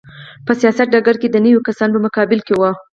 په سیاست ډګر ته د نویو کسانو په مقابل کې و.